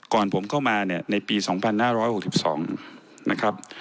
ก่อนผมเข้ามาเนี่ยในปี๒๕๖๒นะครับ